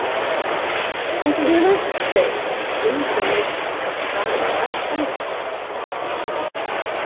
In the United States, these donations can provide a tax benefit.